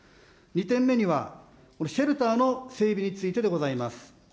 ２点目には、シェルターの整備についてでございます。